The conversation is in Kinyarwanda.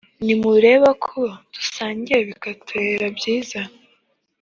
Ntimureba ko dusangiye bikatubera byiza